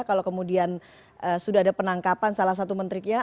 kalau kemudian sudah ada penangkapan salah satu menterinya